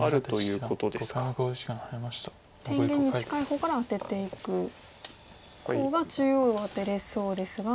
天元に近い方からアテていく方が中央を出れそうですが。